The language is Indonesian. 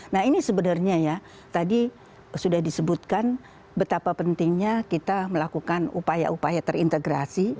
nah ini sebenarnya ya tadi sudah disebutkan betapa pentingnya kita melakukan upaya upaya terintegrasi